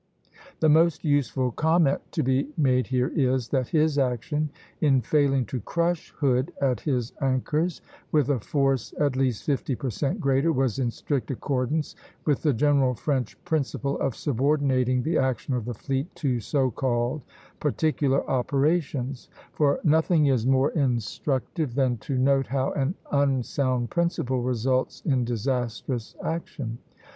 The most useful comment to be made here is, that his action in failing to crush Hood at his anchors, with a force at least fifty per cent greater, was in strict accordance with the general French principle of subordinating the action of the fleet to so called particular operations; for nothing is more instructive than to note how an unsound principle results in disastrous action.